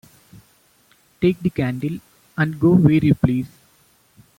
Take the candle, and go where you please.